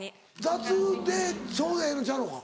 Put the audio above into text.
雑でちょうどええのちゃうのか？